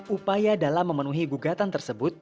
upaya dalam memenuhi gugatan tersebut